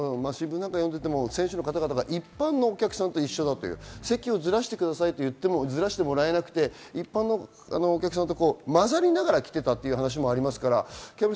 選手の方々が一般のお客さんと一緒だという、席をずらしてくださいと言ってもずらしてもらえなくて、一般のお客さんとまざりながら来ていたという話もあります。